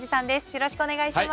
よろしくお願いします。